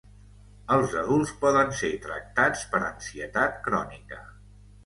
Els adults poden ser tractats per ansietat crònica.